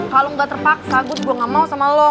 kalau gak terpaksa gue tuh gak mau sama lo